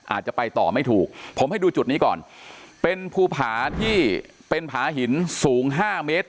อาจจะไปต่อไม่ถูกผมให้ดูจุดนี้ก่อนเป็นภูผาที่เป็นผาหินสูง๕เมตร